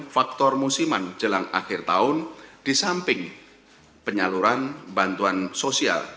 faktor musiman jelang akhir tahun di samping penyaluran bantuan sosial